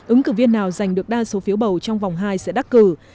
ứng cử viên nào giành được đa số phiếu bầu trong vòng hai sẽ đắc cử